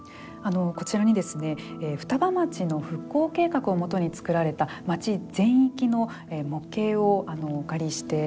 こちらにですね双葉町の復興計画をもとに作られた町全域の模型をお借りしています。